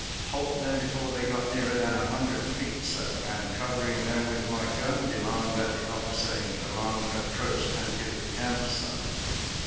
" "Halt them before they got nearer than a hundred feet, sir, and, covering them with my gun, demand that the officer in command ap proach and give the countersign."